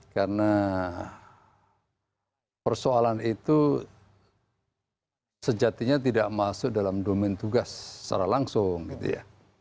karena persoalan itu sejatinya tidak masuk dalam domain tugas secara langsung gitu ya